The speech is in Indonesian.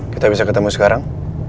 kita bisa ketemu sekarang